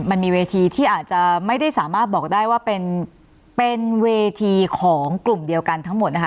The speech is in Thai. มันมีเวทีที่อาจจะไม่ได้สามารถบอกได้ว่าเป็นเป็นเวทีของกลุ่มเดียวกันทั้งหมดนะคะ